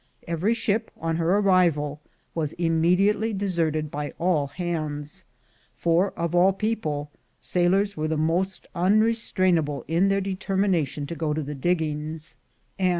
Every ship, on her arrival, was immediately deserted by all hands; for, of all people, sailors were the most unrestrainable in their determination to go to the diggings; and it 73 74.